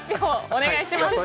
お願いします。